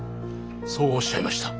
そうおっしゃいました。